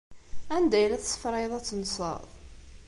Anda ay la tessefrayeḍ ad tenseḍ?